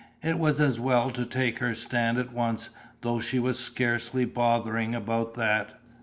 It was as well to take her stand at once, though she was scarcely bothering about that.